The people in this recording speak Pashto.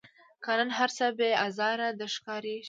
که نن هرڅه بې آزاره در ښکاریږي